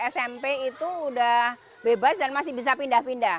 smp itu sudah bebas dan masih bisa pindah pindah